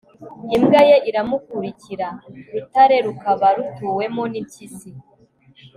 imbwa ye iramukurikira. ... rutare rukaba rutuwemo n'impyisi